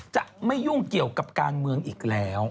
จะไม่ยุ่งเกี่ยวกับการเมืองอีกแล้ว